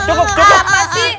cukup cukup cukup